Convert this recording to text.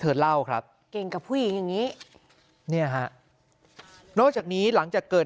เล่าครับเก่งกับผู้หญิงอย่างนี้เนี่ยฮะนอกจากนี้หลังจากเกิด